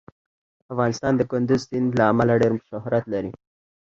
افغانستان د کندز سیند له امله ډېر شهرت لري.